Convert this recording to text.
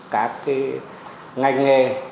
các cái ngành nghề